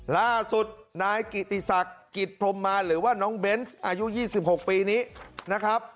ล่าสุดนายกิติศักดิ์กิจพรมมาหรือว่าน้องเบนส์อายุ๒๖ปีนี้นะครับ